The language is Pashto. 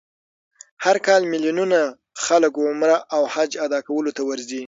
هر کال میلیونونه خلک عمره او حج ادا کولو ته ورځي.